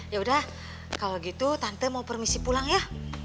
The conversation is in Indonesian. yaudah kalau gitu tante mau permisi pulang ya